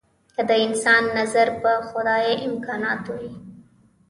که د انسان نظر په خدايي امکاناتو وي.